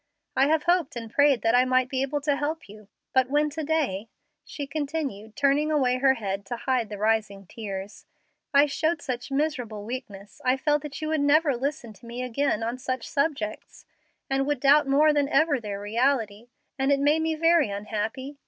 I have hoped and prayed that I might be able to help you. But when to day," she continued, turning away her head to hide the rising tears, "I showed such miserable weakness, I felt that you would never listen to me again on such subjects, and would doubt more than ever their reality, and it made me very unhappy.